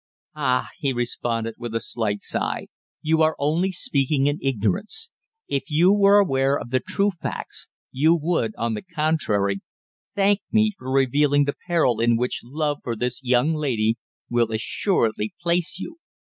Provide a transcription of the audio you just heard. "Ah!" he responded, with a slight sigh, "you are only speaking in ignorance. If you were aware of the true facts, you would, on the contrary, thank me for revealing the peril in which love for this young lady will assuredly place you."